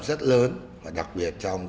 rất lớn và đặc biệt trong